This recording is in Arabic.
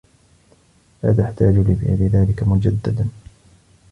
لا تَحتاجُ لِفِعلِ ذلِك مجدداً